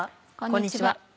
こんにちは。